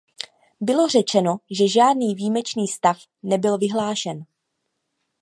Bylo řečeno, že žádný výjimečný stav nebyl vyhlášen.